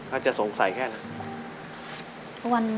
อาจจะสงสัยแค่นั้น